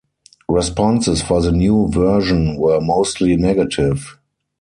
Responses for the new version were mostly negative.